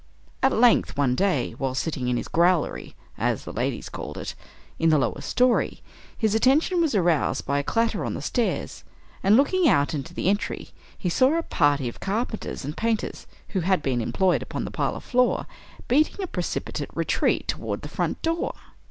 At length, one day, while sitting in his "growlery," as the ladies called it, in the lower story, his attention was aroused by a clatter on the stairs, and looking out into the entry he saw a party of carpenters and painters who had been employed upon the parlor floor, beating a precipitate retreat toward the front door.